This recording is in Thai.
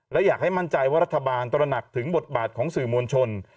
และอยากให้มั่นใจว่ารัฐบาลตระหนักถึงบทบาทของสื่อมวลชน